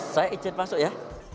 saya icet masuk ya